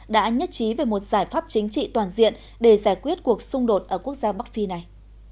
đã nhất trí về một giải pháp chính trị toàn diện để giải quyết cuộc xung đột ở quốc gia bắc phi này